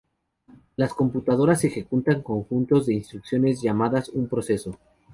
Las computadoras ejecutan conjuntos de instrucciones llamadas un proceso.